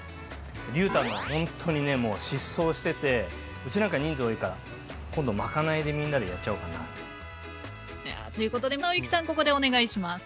りゅうたのは本当にねもう疾走しててうちなんか人数多いから今度まかないでみんなでやっちゃおうかな。ということで尚之さんここでお願いします。